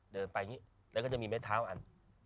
เดินไปอย่างนี้แล้วก็จะมีไม้เท้าอัน